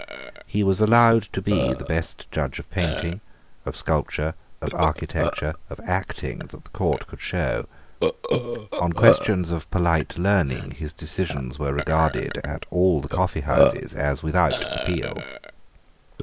He was allowed to be the best judge of painting, of sculpture, of architecture, of acting, that the court could show. On questions of polite learning his decisions were regarded at all the coffeehouses as without appeal.